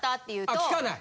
あ聞かない？